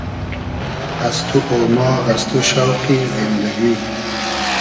از تو اۉماغ از تو شۆقی زیندئگی